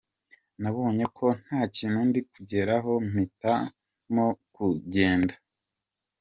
Nabonye ko nta kintu ndi kugeraho mpitamo kugenda”.